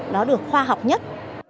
nó được khoa học nhất